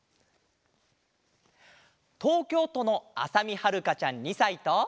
とうきょうとのあさみはるかちゃん２さいと。